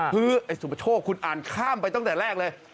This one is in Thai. ฮึยเอ๊ะสุพโชคคุณอ่านข้ามไปตั้งแต่แรกเลย